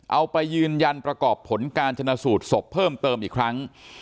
เอาไปยืนยันประกอบผลการชนะสูตรศพเพิ่มเติมอีกครั้ง